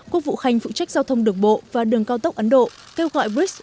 quốc vụ khanh phụ trách giao thông đường bộ và đường cao tốc ấn độ kêu gọi brics